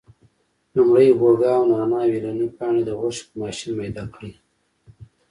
لومړی هوګه او نانا ویلني پاڼې د غوښې په ماشین میده کړي.